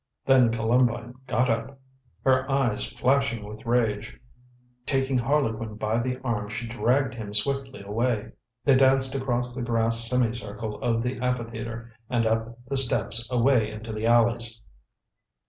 Then Columbine got up, her eyes flashing with rage; taking Harlequin by the arm she dragged him swiftly away. They danced across the grass semi circle of the amphitheatre and up the steps away into the alleys.